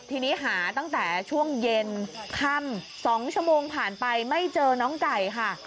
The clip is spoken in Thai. ทีนี้หาตั้งแต่ช่วงเย็นค่ำ๒ชั่วโมงผ่านไปไม่เจอน้องไก่ค่ะ